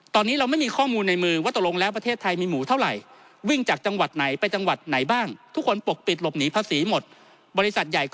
ตอนนี้เราไม่มีข้อมูลในมือว่าตรงแล้วประเทศไทยมีหมู่เท่าไหร่